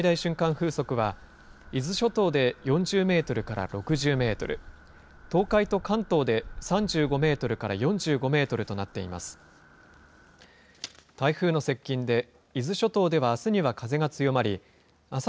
風速は、伊豆諸島で４０メートルから６０メートル、東海と関東で３５メートルから４５メートルとなっています。